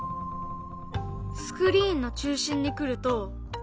スクリーンの中心に来ると。